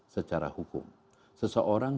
secara hukum seseorang